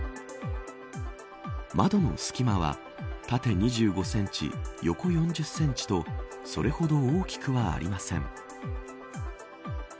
窓の隙間は、縦２５センチ横４０センチとそれほど大きくはありません。